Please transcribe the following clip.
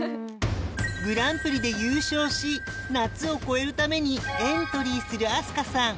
グランプリで優勝し夏を越えるためにエントリーするあすかさん